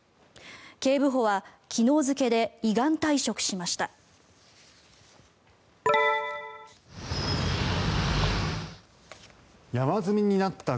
警部補は昨日付で依願退職しました。